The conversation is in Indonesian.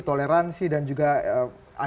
toleransi dan juga